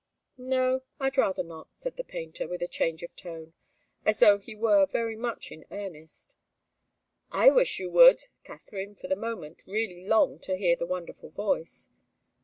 "No. I'd rather not," said the painter, with a change of tone, as though he were very much in earnest. "I wish you would!" Katharine, for the moment, really longed to hear the wonderful voice.